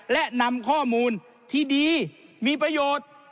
และนำข้อมูลที่ดีมีประโยชน์